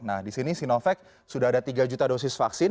nah di sini sinovac sudah ada tiga juta dosis vaksin